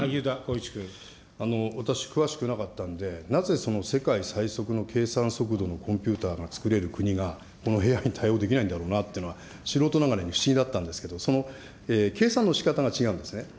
私、詳しくなかったんで、なぜその世界最速の計算速度のコンピューターがつくれる国がこのＡＩに対応できないんだろうなっていうのは、素人ながらに不思議だったんですけど、その計算のしかたが違うんですね。